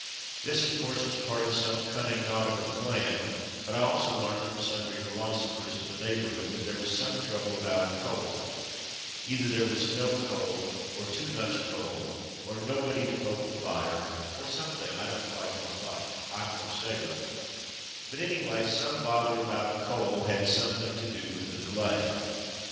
This, of course, was part of some cunning nautical plan, but I also learnt from sundry philoso phers of the neighbourhood that there was some trouble about coal — either there was no coal, or too much coal, or nobody to poke the fire, or something, I don't quite know what (Fm no sailor); but, anyway, some bother about coal had something to do with the delay.